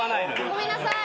ごめんなさい。